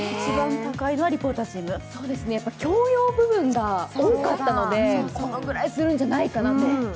共用部分が多かったので、このぐらいするんじゃないかなと。